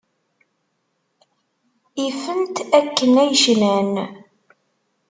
Ifen-t akken ay cnan.